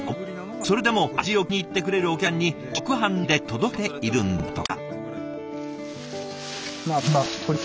それでも味を気に入ってくれるお客さんに直販のみで届けているんだとか。